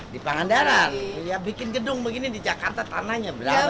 di pangandaran bikin gedung begini di jakarta tanahnya berapa